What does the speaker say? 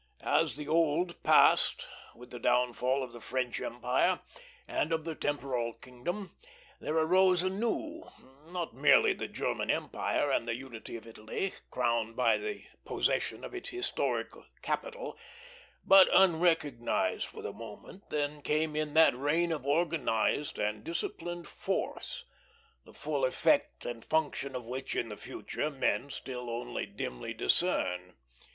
As the old passed, with the downfall of the French Empire and of the temporal kingdom, there arose a new; not merely the German Empire and the unity of Italy, crowned by the possession of its historic capital, but, unrecognized for the moment, then came in that reign of organized and disciplined force, the full effect and function of which in the future men still only dimly discern.